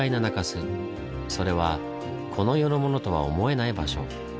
それはこの世のものとは思えない場所。